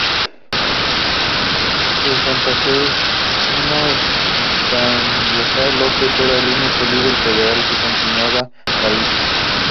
El santafesino Estanislao López era el único líder federal que continuaba la lucha.